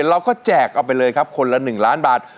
เราก็แจกเอาไปเลยครับคนละ๑ล้านบาท